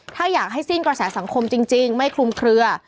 ถ้าอยากให้สิ้นกระแสสังคมจริงไม่คลุมเคลือ